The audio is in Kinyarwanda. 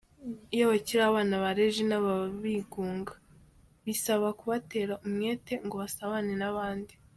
Iyo bakiri abana ba Regina baba bigunga, bisaba kubatera umwete ngo basabane n’abandi.